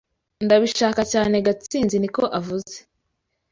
Ndabishaka cyane gatsinzi niko avuze